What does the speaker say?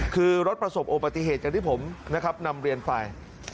คือรถประสบโอปติเหตุอย่างที่ผมนะครับนำเรียนไป